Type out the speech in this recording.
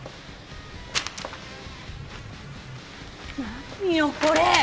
何よこれ！